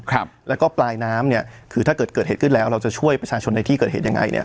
ครับแล้วก็ปลายน้ำเนี่ยคือถ้าเกิดเกิดเหตุขึ้นแล้วเราจะช่วยประชาชนในที่เกิดเหตุยังไงเนี่ย